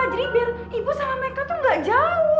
jadi biar ibu sama meka tuh ga jauh